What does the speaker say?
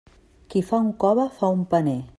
Qui fa un cove, fa un paner.